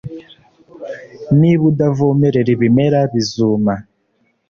niba udavomerera ibimera, bizuma.